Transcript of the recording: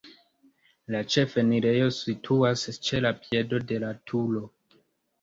La ĉefenirejo situas ĉe la piedo de la turo.